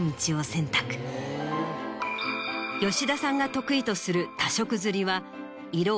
吉田さんが得意とする多色刷りは。